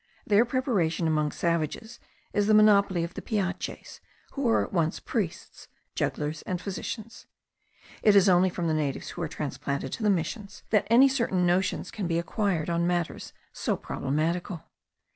Their preparation among savages is the monopoly of the piaches, who are at once priests, jugglers, and physicians; it is only from the natives who are transplanted to the missions, that any certain notions can be acquired on matters so problematical.